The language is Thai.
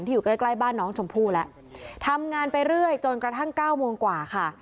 อยู่ใกล้ใกล้บ้านน้องชมพู่แล้วทำงานไปเรื่อยจนกระทั่งเก้าโมงกว่าค่ะ